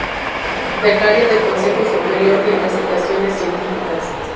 Becario del Consejo Superior de Investigaciones Científicas.